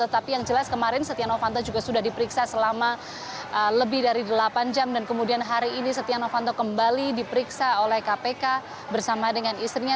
tapi yang jelas kemarin setia novanto juga sudah diperiksa selama lebih dari delapan jam dan kemudian hari ini setia novanto kembali diperiksa oleh kpk bersama dengan istrinya